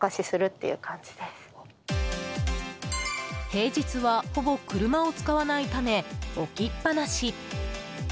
平日は、ほぼ車を使わないため置きっぱなし。